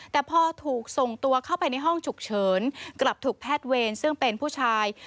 แต่พอถูกส่งตัวเข้าไปในห้องฉุกเฉินกลับถูกแพทย์เวรซึ่งเป็นผู้ชาย